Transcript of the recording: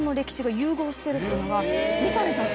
三谷さん